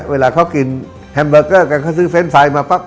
เวลาเขากินแฮมเบอร์เกอร์กันเขาซื้อเฟรนดไฟมาปั๊บ